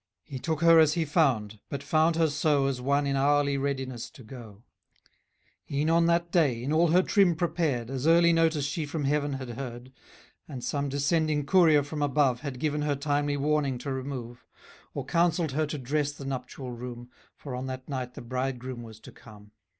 He took her as he found, but found her so, As one in hourly readiness to go; E'en on that day, in all her trim prepared, As early notice she from heaven had heard, And some descending courier from above Had given her timely warning to remove; Or counselled her to dress the nuptial room, For on that night the bridegroom was to come.